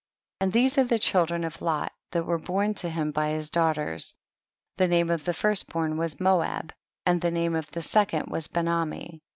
And these are the children of Lot, that were born to him by his daughters ; the name of the first born was Moab, and the name of the second was Benami, 24.